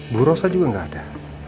bu rosa juga nggak ada